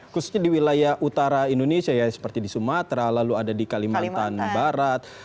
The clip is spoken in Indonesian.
khususnya di wilayah utara indonesia ya seperti di sumatera lalu ada di kalimantan barat